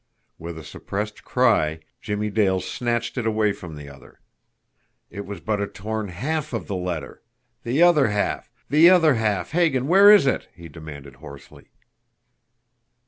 With a suppressed cry, Jimmie Dale snatched it away from the other. It was but a torn HALF of the letter! "The other half! The other half, Hagan where is it?" he demanded hoarsely.